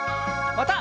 また。